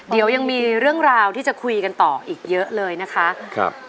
เดี๋ยวยังมีเรื่องราวที่จะคุยกันต่ออีกเยอะเลยนะคะครับ